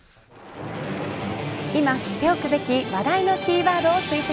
今知っておくべき話題のキーワードを追跡。